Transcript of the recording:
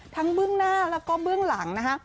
ทั้งเบื้องหน้าและก็เบื้องหลังน่ะ